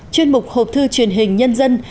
chuyên mục hộp thư truyền hình nhân dân